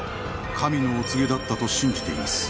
神のお告げだったと信じています。